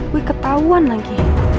wih ketauan lagi